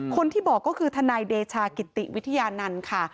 คนที่บอกก็คือทนายเดชากิติวิทยานันต์ค่ะ